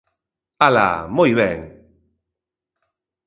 ¡Ala!, ¡moi ben!